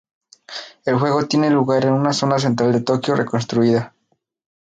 El juego tiene lugar en una zona central de Tokio reconstruida.